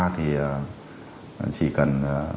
thì chỉ cần